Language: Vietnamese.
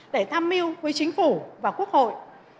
để tham mưu với chính phủ và quốc hội